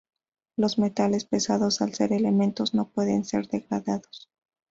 Los metales pesados, al ser elementos, no pueden ser degradados.